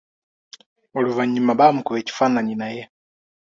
Oluvannyuma baamukuba ekifaananyi naye.